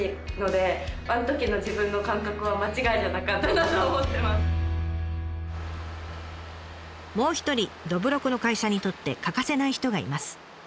もう本当にもう一人どぶろくの会社にとって欠かせない人がいます。